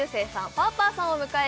パーパーさんを迎え